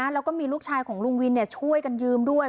แล้วก็มีลูกชายของลุงวินช่วยกันยืมด้วย